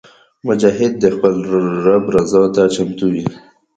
مجاهد د خپل رب رضا ته چمتو وي.